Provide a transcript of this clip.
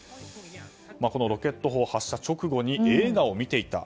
このロケット砲発射直後に映画を見ていた。